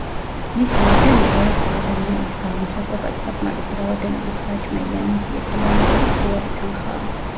მისი ოდენობა ერთი ადამიანის გამოსაკვებად საკმარისი რაოდენობის საჭმელი ან მისი ექვივალენტური ფულადი თანხაა.